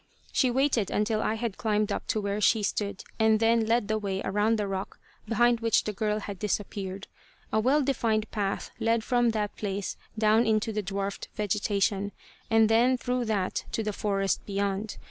She waited until I had climbed up to where she stood, and then led the way around the rock behind which the girl had disappeared. A well defined path led from that place down into the dwarfed vegetation, and then, through that to the forest beyond.